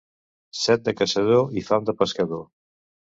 Set de caçador i fam de pescador.